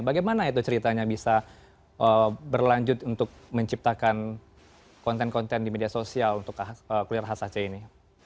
bagaimana itu ceritanya bisa berlanjut untuk menciptakan konten konten di media sosial untuk kuliner khas aceh ini